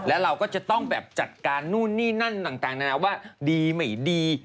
แล้วเราก็จะต้องแบบจัดการนู่นนี่นั่นต่างนานาว่าดีไม่ดี